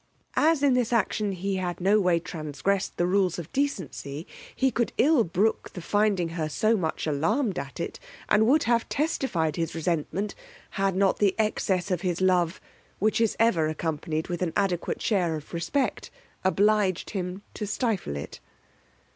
As in this action he had no way transgressed the rules of decency, he could ill brook the finding her so much alarmed at it; and would have testified his resentment, had not the excess of his love, which is ever accompanied with an adequate share of respect, obliged him to stifle it.